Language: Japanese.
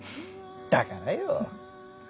だからよ。